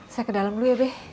saya ke dalam dulu ya be